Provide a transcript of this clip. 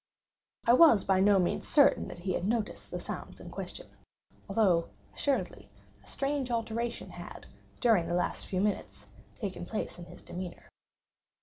I was by no means certain that he had noticed the sounds in question; although, assuredly, a strange alteration had, during the last few minutes, taken place in his demeanor.